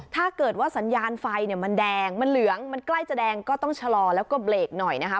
ถ้าเกิดว่าสัญญาณไฟเนี่ยมันแดงมันเหลืองมันใกล้จะแดงก็ต้องชะลอแล้วก็เบรกหน่อยนะคะ